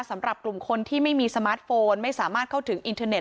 สำหรับกลุ่มคนที่ไม่มีสมาร์ทโฟนไม่สามารถเข้าถึงอินเทอร์เน็